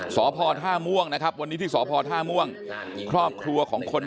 สพท่าม่วงนะครับวันนี้ที่สพท่าม่วงครอบครัวของคน